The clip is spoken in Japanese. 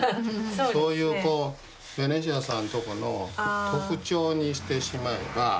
そういうこうベニシアさんとこの特徴にしてしまえば。